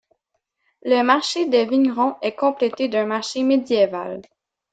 Le marché des vignerons est complété d'un marché médiéval.